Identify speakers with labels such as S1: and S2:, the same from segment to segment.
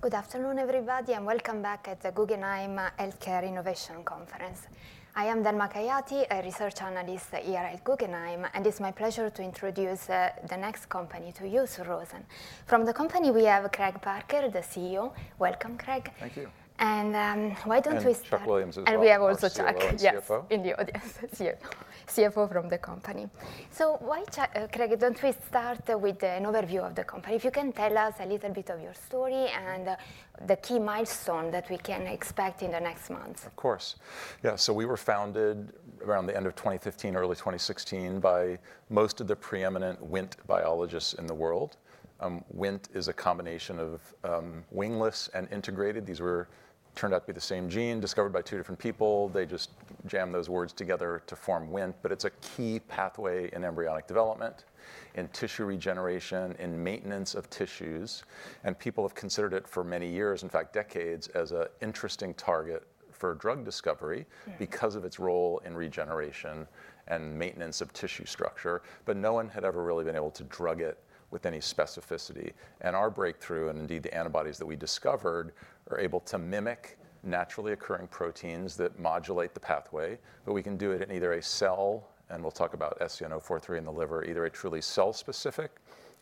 S1: Good afternoon, everybody, and welcome back at the Guggenheim Healthcare Innovation Conference. I am Dan Makayati, a research analyst here at Guggenheim, and it's my pleasure to introduce the next company to you, Surrozen. From the company, we have Craig Parker, the CEO. Welcome, Craig.
S2: Thank you.
S1: Why don't we start?
S2: Chuck Williams as well.
S1: We have also Chuck, yes, in the audience. CFO from the company. Craig, don't we start with an overview of the company? If you can tell us a little bit of your story and the key milestone that we can expect in the next month.
S2: Of course. Yeah, so we were founded around the end of 2015, early 2016, by most of the preeminent Wnt biologists in the world. Wnt is a combination of wingless and integrated. These turned out to be the same gene discovered by two different people. They just jam those words together to form Wnt. But it's a key pathway in embryonic development, in tissue regeneration, in maintenance of tissues. And people have considered it for many years, in fact, decades, as an interesting target for drug discovery because of its role in regeneration and maintenance of tissue structure. But no one had ever really been able to drug it with any specificity. And our breakthrough, and indeed the antibodies that we discovered, are able to mimic naturally occurring proteins that modulate the pathway. But we can do it in either a cell, and we'll talk about SZN-043 in the liver, either a truly cell-specific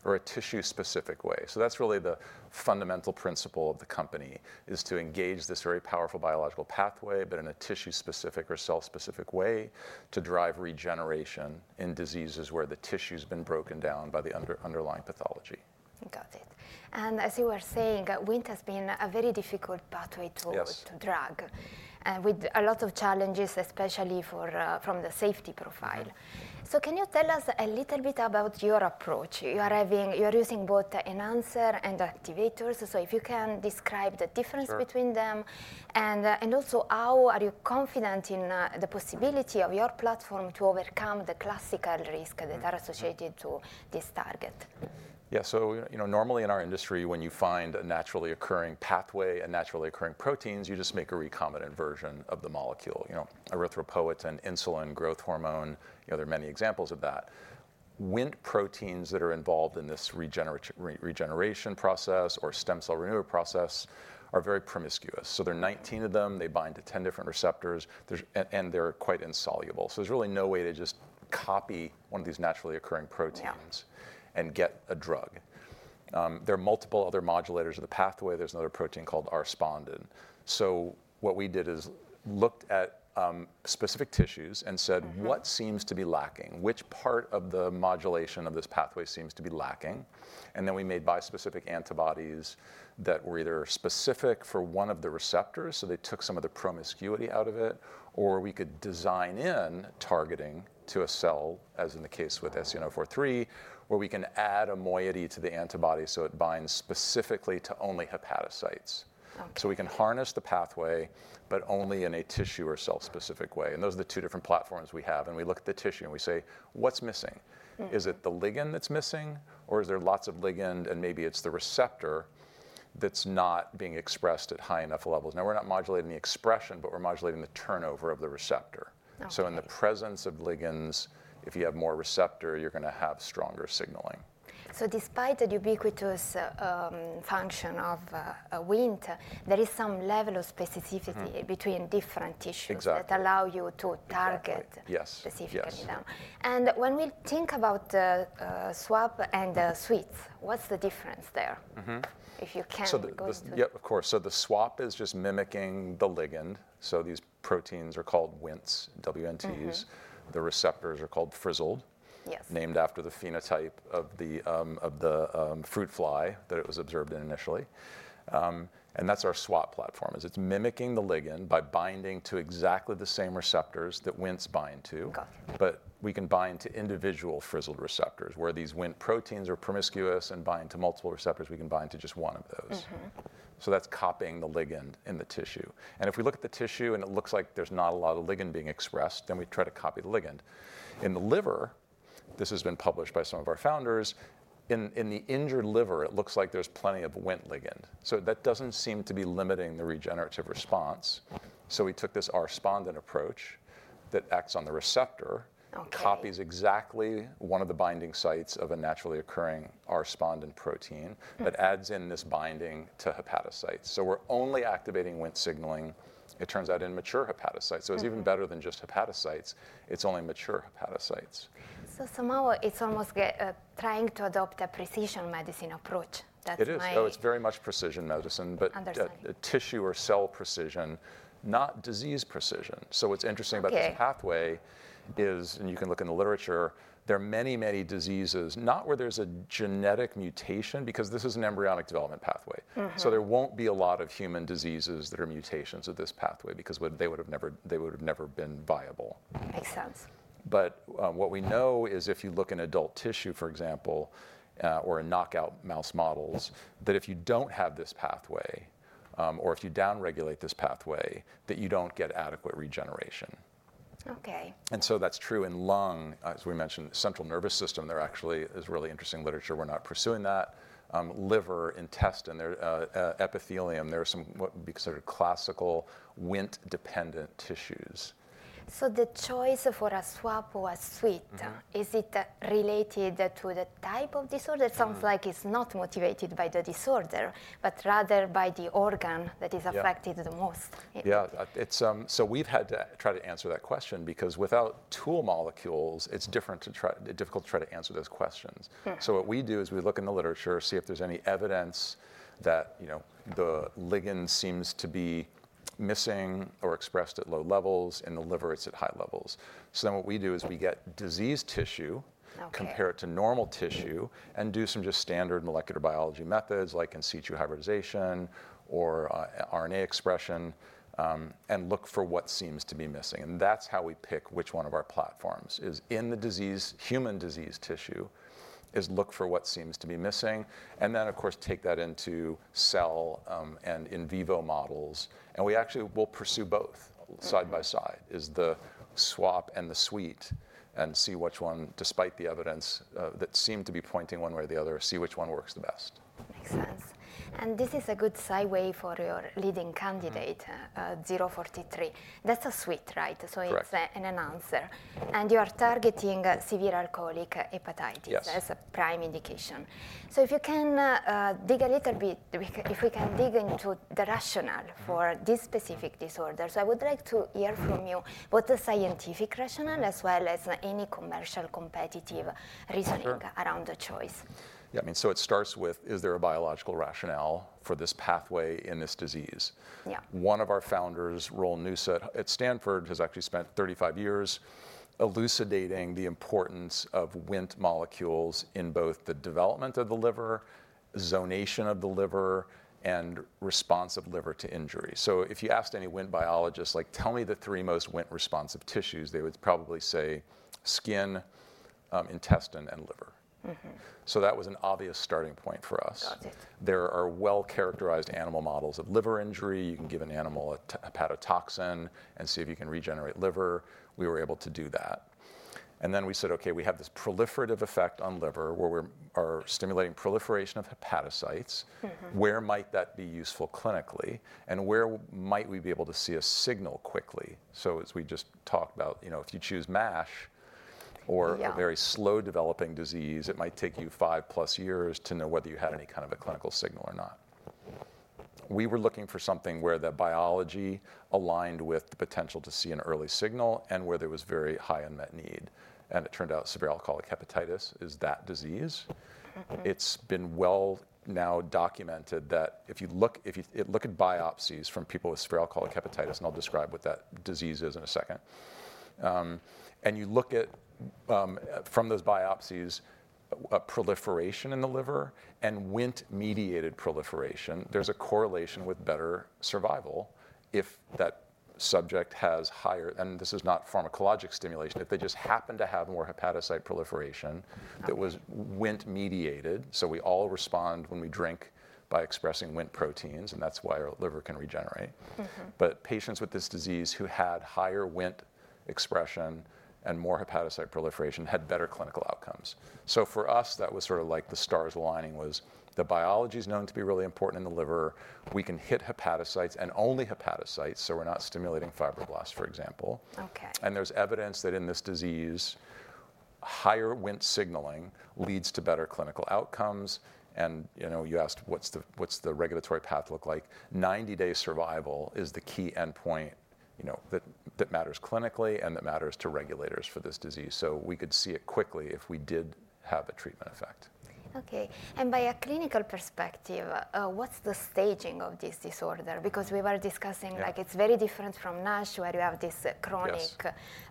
S2: or a tissue-specific way. So that's really the fundamental principle of the company, is to engage this very powerful biological pathway, but in a tissue-specific or cell-specific way to drive regeneration in diseases where the tissue has been broken down by the underlying pathology.
S1: Got it. And as you were saying, Wnt has been a very difficult pathway to drug, with a lot of challenges, especially from the safety profile. So can you tell us a little bit about your approach? You are using both enhancer and activators. So if you can describe the difference between them? And also, how are you confident in the possibility of your platform to overcome the classical risks that are associated to this target?
S2: Yeah, so normally in our industry, when you find a naturally occurring pathway, a naturally occurring protein, you just make a recombinant version of the molecule. Erythropoietin, insulin, growth hormone, there are many examples of that. Wnt proteins that are involved in this regeneration process or stem cell renewal process are very promiscuous. So there are 19 of them. They bind to 10 different receptors, and they're quite insoluble. So there's really no way to just copy one of these naturally occurring proteins and get a drug. There are multiple other modulators of the pathway. There's another protein called R-spondin. So what we did is looked at specific tissues and said, what seems to be lacking? Which part of the modulation of this pathway seems to be lacking? And then we made bispecific antibodies that were either specific for one of the receptors, so they took some of the promiscuity out of it, or we could design in targeting to a cell, as in the case with SZN-043, where we can add a moiety to the antibody so it binds specifically to only hepatocytes. So we can harness the pathway, but only in a tissue or cell-specific way. And those are the two different platforms we have. And we look at the tissue, and we say, what's missing? Is it the ligand that's missing, or is there lots of ligand, and maybe it's the receptor that's not being expressed at high enough levels? Now, we're not modulating the expression, but we're modulating the turnover of the receptor. So in the presence of ligands, if you have more receptor, you're going to have stronger signaling.
S1: So despite the ubiquitous function of Wnt, there is some level of specificity between different tissues that allow you to target specifically.
S2: Yes.
S1: When we think about the SWAP and the SWEETs, what's the difference there? If you can go through.
S2: Yeah, of course. So the SWAP is just mimicking the ligand. So these proteins are called Wnts, W-N-Ts. The receptors are called Frizzled, named after the phenotype of the fruit fly that it was observed in initially. And that's our SWAP platform. It's mimicking the ligand by binding to exactly the same receptors that Wnt bind to. But we can bind to individual Frizzled receptors. Where these Wnt proteins are promiscuous and bind to multiple receptors, we can bind to just one of those. So that's copying the ligand in the tissue. And if we look at the tissue, and it looks like there's not a lot of ligand being expressed, then we try to copy the ligand. In the liver, this has been published by some of our founders, in the injured liver, it looks like there's plenty of Wnt ligand. So that doesn't seem to be limiting the regenerative response. So we took this R-spondin approach that acts on the receptor, copies exactly one of the binding sites of a naturally occurring R-spondin protein, but adds in this binding to hepatocytes. So we're only activating Wnt signaling, it turns out, in mature hepatocytes. So it's even better than just hepatocytes. It's only mature hepatocytes.
S1: So somehow, it's almost trying to adopt a precision medicine approach.
S2: It is. Oh, it's very much precision medicine.
S1: Understand.
S2: But tissue or cell precision, not disease precision. So what's interesting about this pathway is, and you can look in the literature, there are many, many diseases, not where there's a genetic mutation, because this is an embryonic development pathway. So there won't be a lot of human diseases that are mutations of this pathway, because they would have never been viable.
S1: Makes sense.
S2: But what we know is, if you look in adult tissue, for example, or in knockout mouse models, that if you don't have this pathway, or if you downregulate this pathway, that you don't get adequate regeneration.
S1: OK.
S2: And so that's true in lung, as we mentioned, central nervous system. There actually is really interesting literature. We're not pursuing that. Liver, intestine, epithelium, there are some sort of classical Wnt-dependent tissues.
S1: The choice for a SWAP or a SWEET, is it related to the type of disorder? It sounds like it's not motivated by the disorder, but rather by the organ that is affected the most.
S2: Yeah. So we've had to try to answer that question, because without tool molecules, it's difficult to try to answer those questions. So what we do is we look in the literature, see if there's any evidence that the ligand seems to be missing or expressed at low levels. In the liver, it's at high levels. So then what we do is we get disease tissue, compare it to normal tissue, and do some just standard molecular biology methods, like in situ hybridization or RNA expression, and look for what seems to be missing. And that's how we pick which one of our platforms is in the human disease tissue, is look for what seems to be missing. And then, of course, take that into cell and in vivo models. We actually will pursue both side by side, the SWAP and the SWEET, and see which one, despite the evidence that seemed to be pointing one way or the other, see which one works the best.
S1: Makes sense. And this is a good segue for your leading candidate, SZN-043. That's a SWEET, right?
S2: Correct.
S1: So it's an enhancer. And you are targeting severe alcoholic hepatitis.
S2: Yes.
S1: That's a prime indication. So if you can dig a little bit, if we can dig into the rationale for this specific disorder, so I would like to hear from you both the scientific rationale as well as any commercial competitive reasoning around the choice.
S2: Yeah, I mean, so it starts with, is there a biological rationale for this pathway in this disease?
S1: Yeah.
S2: One of our founders, Roel Nusse at Stanford, has actually spent 35 years elucidating the importance of Wnt molecules in both the development of the liver, zonation of the liver, and response of the liver to injury. So if you asked any Wnt biologists, like, tell me the three most Wnt-responsive tissues, they would probably say skin, intestine, and liver. So that was an obvious starting point for us.
S1: Got it.
S2: There are well-characterized animal models of liver injury. You can give an animal a hepatotoxin and see if you can regenerate liver. We were able to do that, and then we said, OK, we have this proliferative effect on liver, where we're stimulating proliferation of hepatocytes. Where might that be useful clinically, and where might we be able to see a signal quickly, so as we just talked about, if you choose MASH, or a very slow developing disease, it might take you five-plus years to know whether you had any kind of a clinical signal or not. We were looking for something where the biology aligned with the potential to see an early signal, and where there was very high unmet need, and it turned out severe alcoholic hepatitis is that disease. It's been well documented that if you look at biopsies from people with severe alcoholic hepatitis, and I'll describe what that disease is in a second, and you look at, from those biopsies, proliferation in the liver and Wnt-mediated proliferation, there's a correlation with better survival if that subject has higher, and this is not pharmacologic stimulation, if they just happen to have more hepatocyte proliferation that was Wnt-mediated. So we all respond when we drink by expressing Wnt proteins, and that's why our liver can regenerate. But patients with this disease who had higher Wnt expression and more hepatocyte proliferation had better clinical outcomes. So for us, that was sort of like the stars aligning was the biology is known to be really important in the liver. We can hit hepatocytes, and only hepatocytes, so we're not stimulating fibroblasts, for example.
S1: OK.
S2: There's evidence that in this disease, higher Wnt signaling leads to better clinical outcomes. You asked, what's the regulatory path look like? 90-day survival is the key endpoint that matters clinically and that matters to regulators for this disease. We could see it quickly if we did have a treatment effect.
S1: OK. And from a clinical perspective, what's the staging of this disorder? Because we were discussing, like, it's very different from NASH, where you have this chronic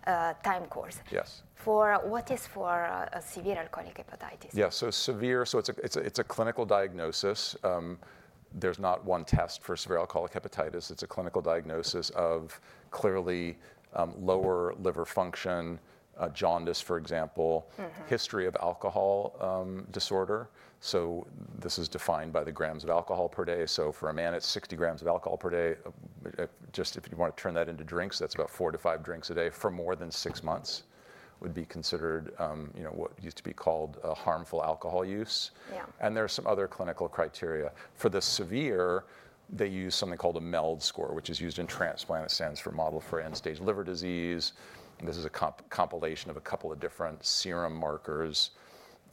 S1: time course.
S2: Yes.
S1: What is for severe alcoholic hepatitis?
S2: Yeah, so severe, so it's a clinical diagnosis. There's not one test for severe alcoholic hepatitis. It's a clinical diagnosis of clearly lower liver function, jaundice, for example, history of alcohol disorder. So this is defined by the grams of alcohol per day. So for a man, it's 60 grams of alcohol per day. Just if you want to turn that into drinks, that's about four to five drinks a day for more than six months would be considered what used to be called harmful alcohol use. And there are some other clinical criteria. For the severe, they use something called a MELD score, which is used in transplant. It stands for Model for End-Stage Liver Disease. This is a compilation of a couple of different serum markers.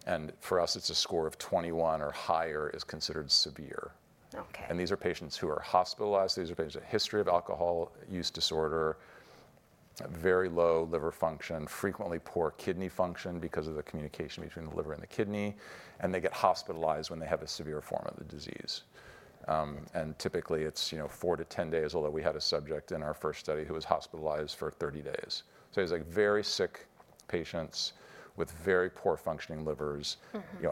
S2: And for us, it's a score of 21 or higher is considered severe.
S1: OK.
S2: These are patients who are hospitalized. These are patients with a history of alcohol use disorder, very low liver function, frequently poor kidney function because of the communication between the liver and the kidney. They get hospitalized when they have a severe form of the disease. Typically, it's four to 10 days, although we had a subject in our first study who was hospitalized for 30 days. He's like very sick patients with very poor functioning livers.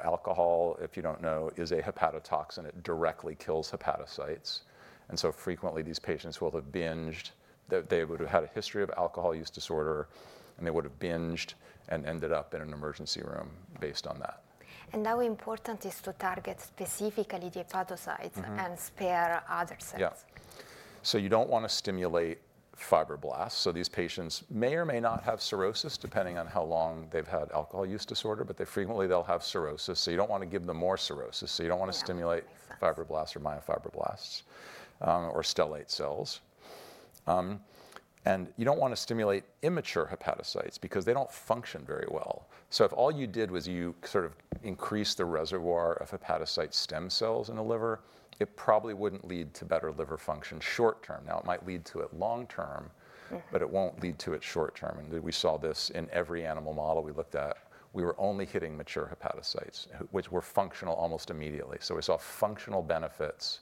S2: Alcohol, if you don't know, is a hepatotoxin. It directly kills hepatocytes. Frequently, these patients will have binged. They would have had a history of alcohol use disorder, and they would have binged and ended up in an emergency room based on that.
S1: How important is to target specifically the hepatocytes and spare other cells?
S2: Yeah. So you don't want to stimulate fibroblasts. So these patients may or may not have cirrhosis, depending on how long they've had alcohol use disorder, but frequently, they'll have cirrhosis. So you don't want to give them more cirrhosis. So you don't want to stimulate fibroblasts or myofibroblasts or stellate cells. And you don't want to stimulate immature hepatocytes, because they don't function very well. So if all you did was you sort of increased the reservoir of hepatocyte stem cells in the liver, it probably wouldn't lead to better liver function short term. Now, it might lead to it long term, but it won't lead to it short term. And we saw this in every animal model we looked at. We were only hitting mature hepatocytes, which were functional almost immediately. So we saw functional benefits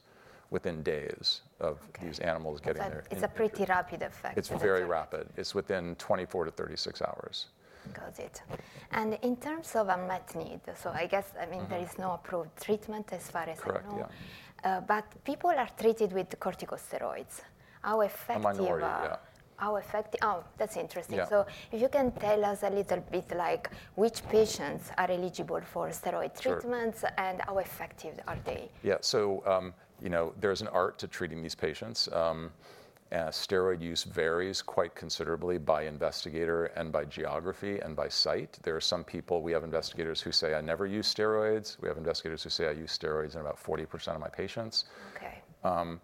S2: within days of these animals getting their kidneys.
S1: It's a pretty rapid effect.
S2: It's very rapid. It's within 24 to 36 hours.
S1: Got it and in terms of unmet need, so I guess, I mean, there is no approved treatment as far as I know.
S2: Correct, yeah.
S1: But people are treated with corticosteroids. How effective are?
S2: A minority. Yeah.
S1: How effective? Oh, that's interesting. So if you can tell us a little bit, like, which patients are eligible for steroid treatments, and how effective are they?
S2: Yeah, so there is an art to treating these patients. Steroid use varies quite considerably by investigator, and by geography, and by site. There are some people we have investigators who say, I never use steroids. We have investigators who say, I use steroids in about 40% of my patients.
S1: OK.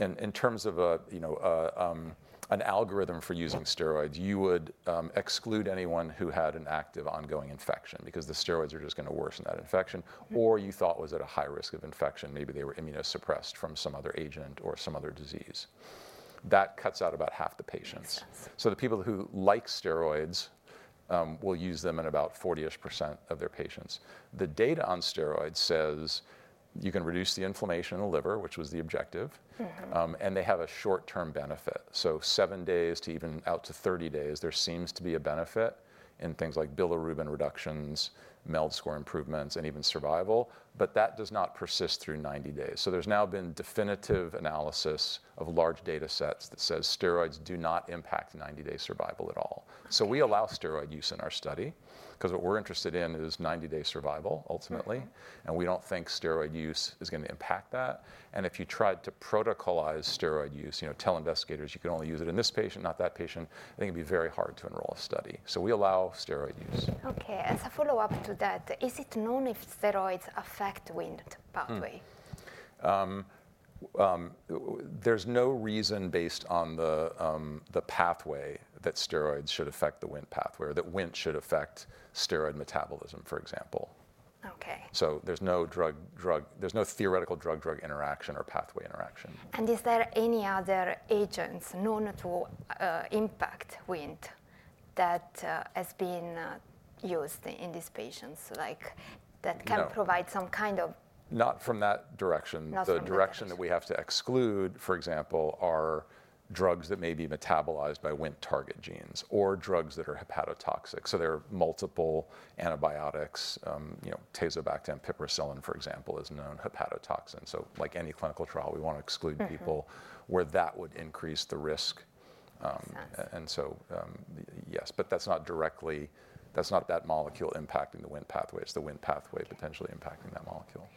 S2: In terms of an algorithm for using steroids, you would exclude anyone who had an active ongoing infection, because the steroids are just going to worsen that infection, or you thought was at a high risk of infection. Maybe they were immunosuppressed from some other agent or some other disease. That cuts out about half the patients. The people who like steroids will use them in about 40-ish% of their patients. The data on steroids says you can reduce the inflammation in the liver, which was the objective, and they have a short-term benefit. Seven days to even out to 30 days, there seems to be a benefit in things like bilirubin reductions, MELD score improvements, and even survival. That does not persist through 90 days. So there's now been definitive analysis of large data sets that says steroids do not impact 90-day survival at all. So we allow steroid use in our study, because what we're interested in is 90-day survival, ultimately. And we don't think steroid use is going to impact that. And if you tried to protocolize steroid use, tell investigators you can only use it in this patient, not that patient, I think it'd be very hard to enroll a study. So we allow steroid use.
S1: OK. As a follow-up to that, is it known if steroids affect Wnt pathway?
S2: There's no reason based on the pathway that steroids should affect the Wnt pathway, or that Wnt should affect steroid metabolism, for example.
S1: OK.
S2: So there's no theoretical drug-drug interaction or pathway interaction.
S1: And is there any other agents known to impact Wnt that has been used in these patients, like that can provide some kind of?
S2: Not from that direction.
S1: Not from that.
S2: The direction that we have to exclude, for example, are drugs that may be metabolized by Wnt target genes, or drugs that are hepatotoxic. So there are multiple antibiotics. Tazobactam and Piperacillin, for example, is a known hepatotoxin. So like any clinical trial, we want to exclude people where that would increase the risk.
S1: Makes sense.
S2: And so yes, but that's not directly that molecule impacting the Wnt pathway. It's the Wnt pathway potentially impacting that molecule.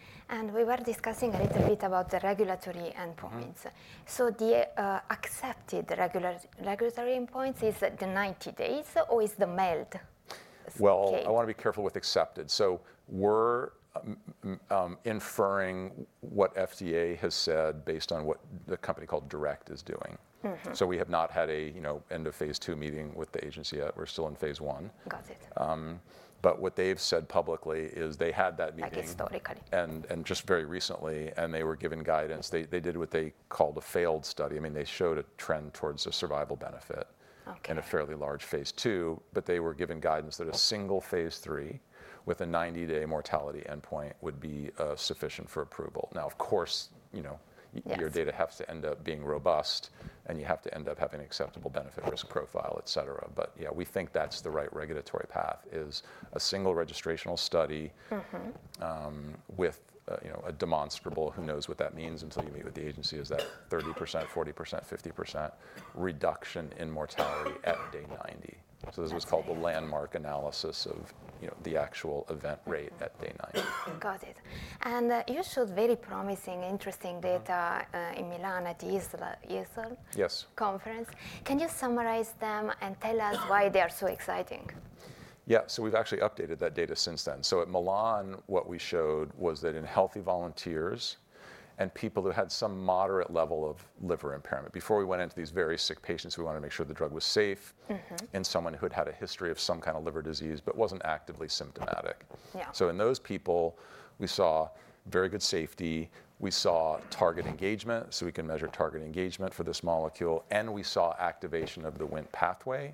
S1: We were discussing a little bit about the regulatory endpoints. The accepted regulatory endpoints, is it the 90 days, or is the MELD?
S2: I want to be careful with acceptance. We're inferring what FDA has said based on what the company called Direct is doing. We have not had an end of phase two meeting with the agency yet. We're still in phase one.
S1: Got it.
S2: But what they've said publicly is they had that meeting.
S1: Historically.
S2: Just very recently, they were given guidance. They did what they called a failed study. I mean, they showed a trend towards a survival benefit in a fairly large phase two, but they were given guidance that a single phase three with a 90-day mortality endpoint would be sufficient for approval. Now, of course, your data has to end up being robust, and you have to end up having an acceptable benefit risk profile, et cetera. But yeah, we think that's the right regulatory path, is a single registrational study with a demonstrable who knows what that means until you meet with the agency, is that 30%, 40%, 50% reduction in mortality at day 90. This was called the landmark analysis of the actual event rate at day 90.
S1: Got it. And you showed very promising, interesting data in Milan at the EASL conference.
S2: Yes.
S1: Can you summarize them and tell us why they are so exciting?
S2: Yeah, so we've actually updated that data since then. So at Milan, what we showed was that in healthy volunteers and people who had some moderate level of liver impairment, before we went into these very sick patients, we wanted to make sure the drug was safe, and someone who had had a history of some kind of liver disease but wasn't actively symptomatic.
S1: Yeah.
S2: So in those people, we saw very good safety. We saw target engagement, so we can measure target engagement for this molecule. And we saw activation of the Wnt pathway.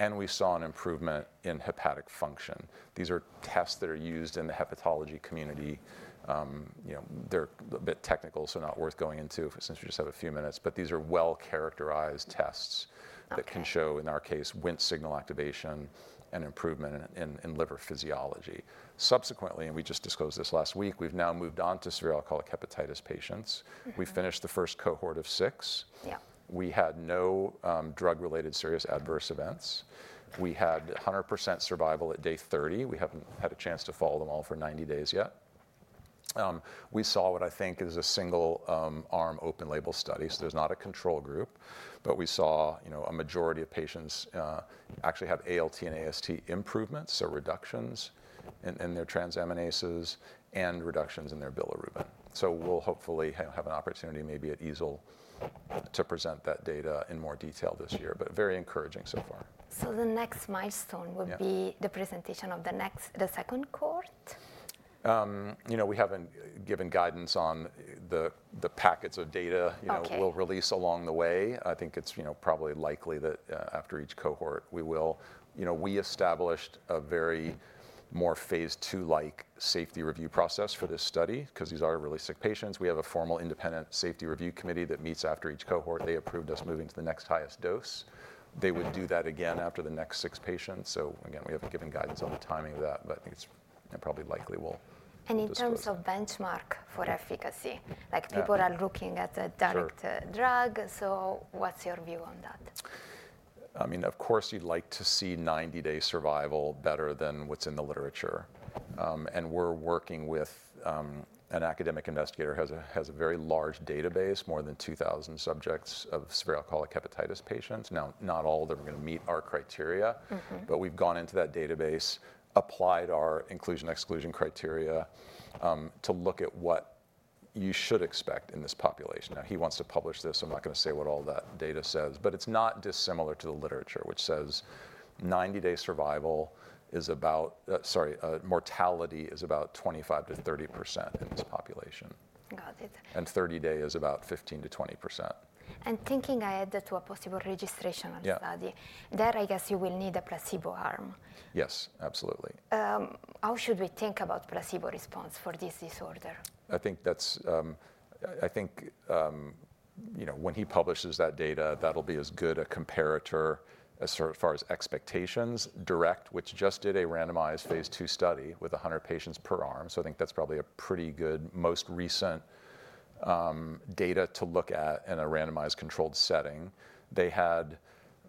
S2: And we saw an improvement in hepatic function. These are tests that are used in the hepatology community. They're a bit technical, so not worth going into since we just have a few minutes. But these are well-characterized tests that can show, in our case, Wnt signal activation and improvement in liver physiology. Subsequently, and we just disclosed this last week, we've now moved on to severe alcoholic hepatitis patients. We finished the first cohort of six.
S1: Yeah.
S2: We had no drug-related serious adverse events. We had 100% survival at day 30. We haven't had a chance to follow them all for 90 days yet. We saw what I think is a single-arm open-label study. So there's not a control group. But we saw a majority of patients actually have ALT and AST improvements, so reductions in their transaminases and reductions in their bilirubin. So we'll hopefully have an opportunity maybe at EASL to present that data in more detail this year, but very encouraging so far.
S1: The next milestone would be the presentation of the second cohort?
S2: We haven't given guidance on the packets of data we'll release along the way. I think it's probably likely that after each cohort, we will. We established a very robust phase two-like safety review process for this study, because these are really sick patients. We have a formal independent safety review committee that meets after each cohort. They approved us moving to the next highest dose. They would do that again after the next six patients. So again, we haven't given guidance on the timing of that, but I think it's probably likely we'll do that.
S1: In terms of benchmark for efficacy, like, people are looking at a direct drug, so what's your view on that?
S2: I mean, of course, you'd like to see 90-day survival better than what's in the literature. And we're working with an academic investigator who has a very large database, more than 2,000 subjects of severe alcoholic hepatitis patients. Now, not all of them are going to meet our criteria, but we've gone into that database, applied our inclusion/exclusion criteria to look at what you should expect in this population. Now, he wants to publish this. I'm not going to say what all that data says. But it's not dissimilar to the literature, which says 90-day survival is about, sorry, mortality is about 25%-30% in this population.
S1: Got it.
S2: 30-day is about 15%-20%.
S1: Thinking ahead to a possible registration study, there, I guess, you will need a placebo arm.
S2: Yes, absolutely.
S1: How should we think about placebo response for this disorder?
S2: I think that's. I think when he publishes that data, that'll be as good a comparator as far as expectations. Direct Biologics, which just did a randomized phase two study with 100 patients per arm, so I think that's probably a pretty good, most recent data to look at in a randomized controlled setting. They had,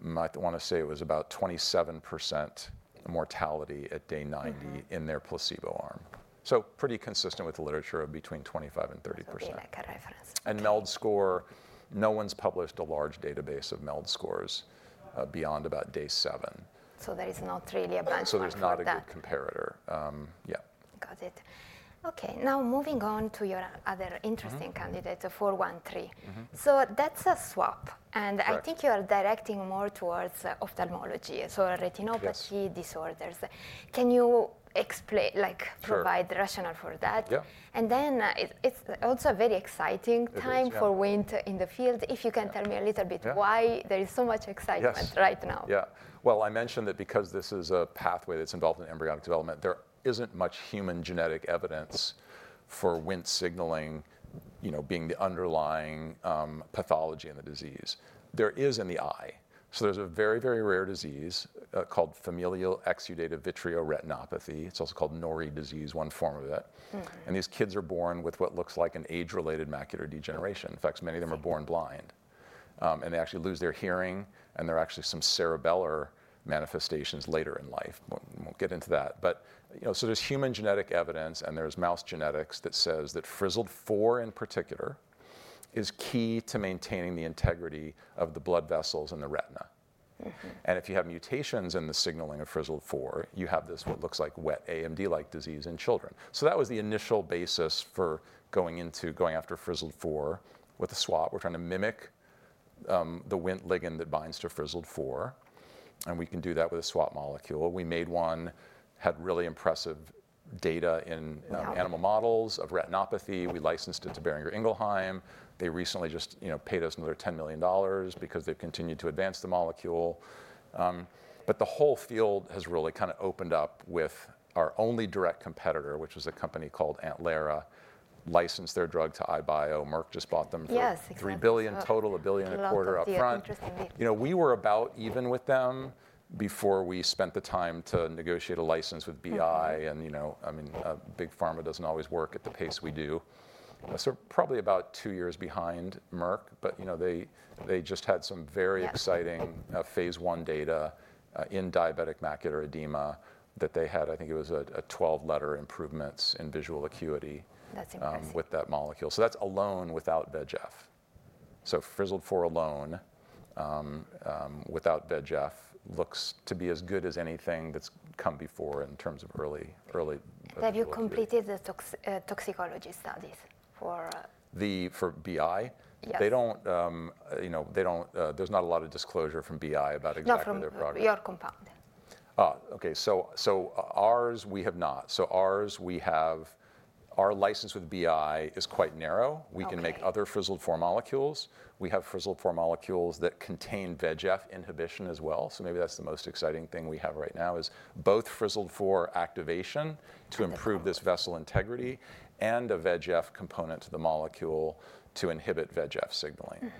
S2: I want to say it was about 27% mortality at day 90 in their placebo arm. So pretty consistent with the literature of between 25% and 30%.
S1: Okay, like a reference.
S2: MELD score, no one's published a large database of MELD scores beyond about day seven.
S1: There is not really a benchmark data.
S2: So there's not a good comparator. Yeah.
S1: Got it. OK, now moving on to your other interesting candidate, SZN-413. So that's a SWAP. And I think you are directing more towards ophthalmology, so retinopathy disorders. Can you explain, like, provide the rationale for that?
S2: Yeah.
S1: And then it's also a very exciting time for Wnt in the field. If you can tell me a little bit why there is so much excitement right now?
S2: Yeah. Well, I mentioned that because this is a pathway that's involved in embryonic development. There isn't much human genetic evidence for Wnt signaling being the underlying pathology in the disease. There is in the eye. So there's a very, very rare disease called familial exudative vitreoretinopathy. It's also called Norrie disease, one form of it. And these kids are born with what looks like an age-related macular degeneration. In fact, many of them are born blind. And they actually lose their hearing. And there are actually some cerebellar manifestations later in life. We won't get into that. But so there's human genetic evidence, and there's mouse genetics that says that Frizzled 4, in particular, is key to maintaining the integrity of the blood vessels in the retina. And if you have mutations in the signaling of Frizzled 4, you have this, what looks like wet AMD-like disease in children. So that was the initial basis for going into going after Frizzled 4 with a swap. We're trying to mimic the Wnt ligand that binds to Frizzled 4. And we can do that with a swap molecule. We made one, had really impressive data in animal models of retinopathy. We licensed it to Boehringer Ingelheim. They recently just paid us another $10 million because they've continued to advance the molecule. But the whole field has really kind of opened up with our only direct competitor, which was a company called AntlerA, licensed their drug to EyeBio. Merck just bought them for $3 billion, total $1.25 billion and a quarter upfront.
S1: That's very interesting.
S2: We were about even with them before we spent the time to negotiate a license with BI, and I mean, big pharma doesn't always work at the pace we do, so probably about two years behind Merck, but they just had some very exciting phase one data in diabetic macular edema that they had, I think it was a 12-letter improvements in visual acuity.
S1: That's impressive.
S2: With that molecule. So that's alone without VEGF. So Frizzled 4 alone without VEGF looks to be as good as anything that's come before in terms of early.
S1: Have you completed the toxicology studies for?
S2: For BI?
S1: Yeah.
S2: They don't. There's not a lot of disclosure from BI about exactly their product.
S1: Not from your compound.
S2: Oh, OK. Our license with BI is quite narrow. We can make other Frizzled 4 molecules. We have Frizzled 4 molecules that contain VEGF inhibition as well. So maybe that's the most exciting thing we have right now, is both Frizzled 4 activation to improve this vessel integrity and a VEGF component to the molecule to inhibit VEGF signaling.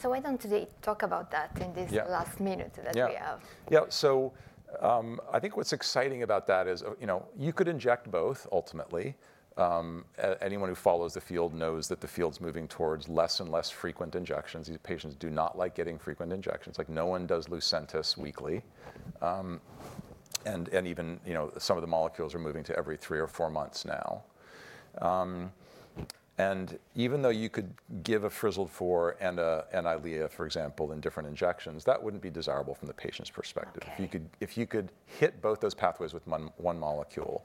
S1: So why don't we talk about that in this last minute that we have?
S2: Yeah, so I think what's exciting about that is you could inject both, ultimately. Anyone who follows the field knows that the field's moving towards less and less frequent injections. These patients do not like getting frequent injections. Like, no one does Lucentis weekly, and even some of the molecules are moving to every three or four months now. Even though you could give a Frizzled 4 and an Eylea, for example, in different injections, that wouldn't be desirable from the patient's perspective. If you could hit both those pathways with one molecule,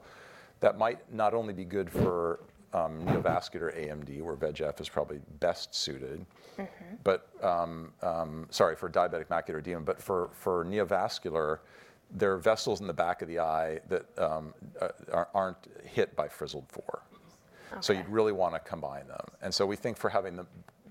S2: that might not only be good for neovascular AMD, where VEGF is probably best suited, but sorry, for Diabetic macular edema. For neovascular, there are vessels in the back of the eye that aren't hit by Frizzled 4, so you'd really want to combine them. We think for having the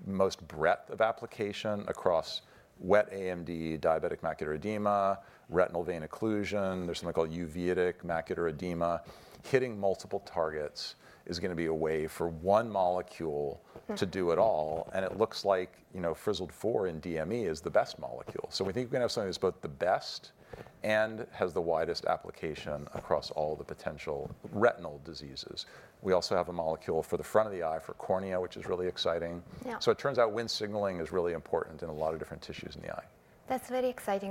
S2: most breadth of application across wet AMD, diabetic macular edema, retinal vein occlusion. There's something called uveitic macular edema. Hitting multiple targets is going to be a way for one molecule to do it all. It looks like Frizzled 4 in DME is the best molecule. We think we're going to have something that's both the best and has the widest application across all the potential retinal diseases. We also have a molecule for the front of the eye for cornea, which is really exciting. It turns out Wnt signaling is really important in a lot of different tissues in the eye.
S1: That's very exciting.